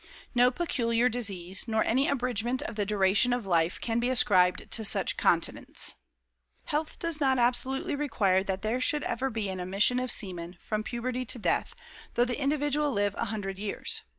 No peculiar disease nor any abridgement of the duration of life can be ascribed to such continence. Health does not absolutely require that there should ever be an emission of semen, from puberty to death, though the individual live a hundred years."